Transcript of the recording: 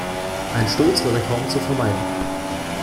Ein Sturz wäre kaum zu vermeiden.